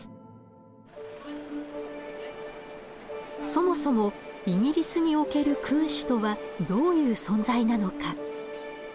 そもそもイギリスにおける君主とはどういう存在なのか。